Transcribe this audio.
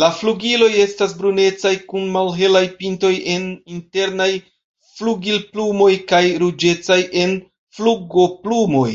La flugiloj estas brunecaj kun malhelaj pintoj en internaj flugilplumoj kaj ruĝecaj en flugoplumoj.